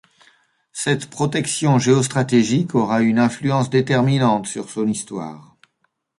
Cette protection géostratégique aura une influence déterminante sur son histoire.